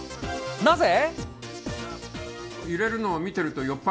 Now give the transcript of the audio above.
なぜ？